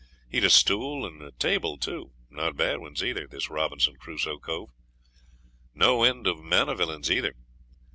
He'd a stool and table too, not bad ones either, this Robinson Crusoe cove. No end of manavilins either.